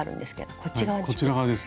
こちら側ですね。